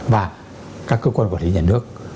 và các cơ quan quản lý nhà nước